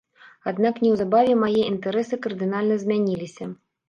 Аднак неўзабаве мае інтарэсы кардынальна змяніліся.